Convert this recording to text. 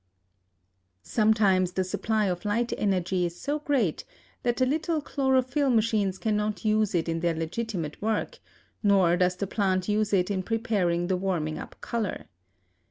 Sometimes the supply of light energy is so great that the little chlorophyll machines cannot use it in their legitimate work, nor does the plant use it in preparing the warming up color.